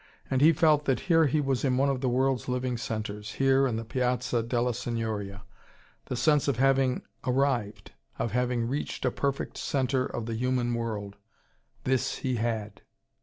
And he felt that here he was in one of the world's living centres, here, in the Piazza della Signoria. The sense of having arrived of having reached a perfect centre of the human world: this he had.